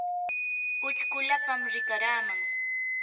uchkulapam rikaraman.